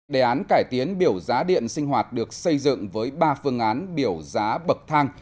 đề án cải tiến biểu giá điện sinh hoạt được xây dựng với ba phương án biểu giá bậc thang